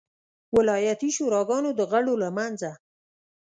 ولایتي شوراګانو د غړو له منځه.